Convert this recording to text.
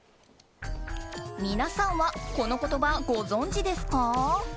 皆さんはこの言葉、ご存じですか？